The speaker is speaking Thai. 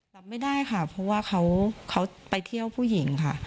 รับไม่ได้ค่ะเพราะว่าเขาไปเที่ยวผู้หญิงค่ะ